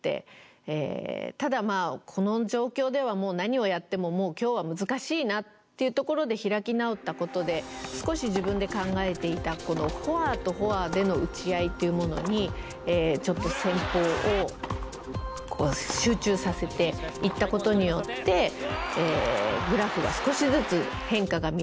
ただこの状況ではもう何をやっても今日は難しいなっていうところで開き直ったことで少し自分で考えていたこのフォアとフォアでの打ち合いというものにちょっと戦法を集中させていったことによってグラフが少しずつ変化が見られてきました。